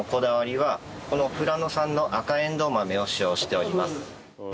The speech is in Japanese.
この富良野産の赤えんどう豆を使用しております。